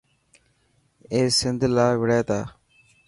اي سنڌ لاءِ وڙهي تا.